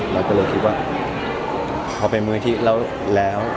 เราก็เลยคิดว่าพอเป็นมูลนิธิแล้ว